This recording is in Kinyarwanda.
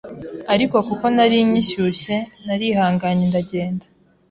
Ariko kuko nari nkishyushye narihanganye ndagenda